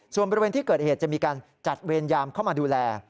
ส่วนบริเวณที่เกิดเหตุจะมีการจัดเวรยามเข้ามาดูแล